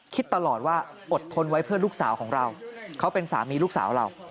คิดตลอดว่าอดทนไว้เพื่อลูกสาวของเราเขาเป็นสามีลูกสาวเรา